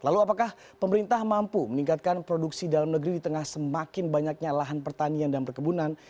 lalu apakah pemerintah mampu meningkatkan produksi dalam negeri di tengah semakin banyaknya lahan pertanian dan perkebunan